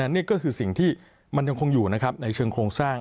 นี่ก็คือสิ่งที่มันยังคงอยู่นะครับในเชิงโครงสร้าง